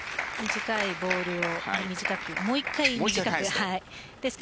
短いボールを短くもう１回、短く返す。